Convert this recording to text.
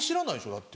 だって。